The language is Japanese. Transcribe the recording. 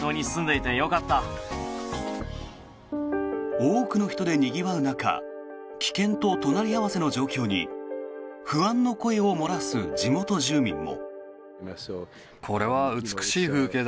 多くの人でにぎわう中危険と隣り合わせの状況に不安の声を漏らす地元住民も。